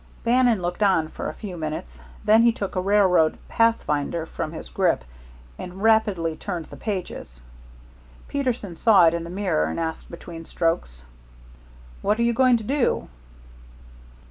Bannon looked on for a few minutes, then he took a railroad "Pathfinder" from his grip and rapidly turned the pages. Peterson saw it in the mirror, and asked, between strokes: "What are you going to do?"